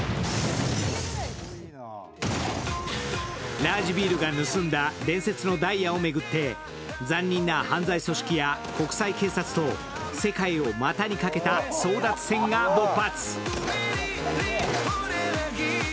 ラージヴィールが盗んだ伝説のダイヤを巡って残忍な犯罪組織や国際警察と世界を股にかけた争奪戦がぼっ発。